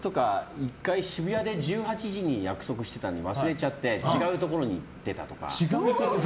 １回、渋谷で１８時に約束してたの忘れちゃって違うところに行ってたとか。